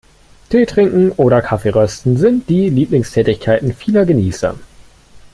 Teetrinken oder Kaffeerösten sind die Lieblingstätigkeiten vieler Genießer.